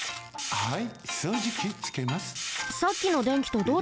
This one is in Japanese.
はい。